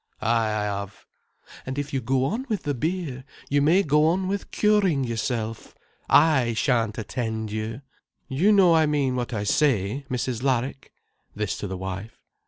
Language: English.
"Ah, I have." "And if you go on with the beer, you may go on with curing yourself. I shan't attend you. You know I mean what I say, Mrs. Larrick"—this to the wife.